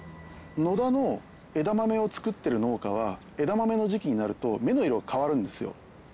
野田の枝豆を作っている農家は枝豆の時期になると目の色が変わるんですよ。